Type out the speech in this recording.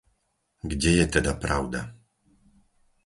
Kde je teda pravda?